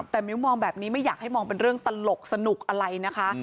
แต่มิ้วมองแบบนี้ไม่อยากให้มองเป็นเรื่องตลกสนุกอะไรนะคะ